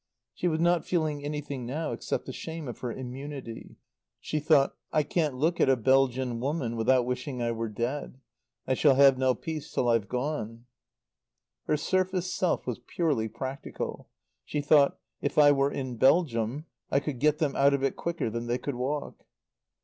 She was not feeling anything now except the shame of her immunity. She thought: "I can't look at a Belgian woman without wishing I were dead. I shall have no peace till I've gone." Her surface self was purely practical. She thought: "If I were in Belgium I could get them out of it quicker than they could walk."